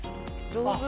上手。